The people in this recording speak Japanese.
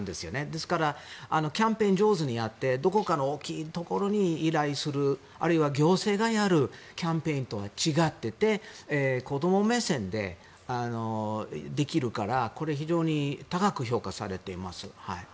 ですから、キャンペーンを上手にやってどこかの大きいところに依頼するあるいは行政がやるキャンペーンとは違っていて子ども目線でできるから非常に高く評価されています。